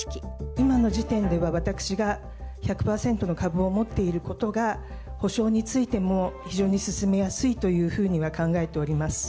今の時点では、私が１００％の株を持っていることが、補償についても非常に進めやすいというふうには考えております。